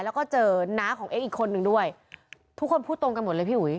แล้วก็เจอน้าของเอ็กซอีกคนนึงด้วยทุกคนพูดตรงกันหมดเลยพี่อุ๋ย